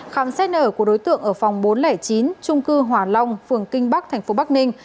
khám xét nở của đối tượng ở phòng bốn trăm linh chín trung cư hòa long phường kinh bắc thành phố bắc ninh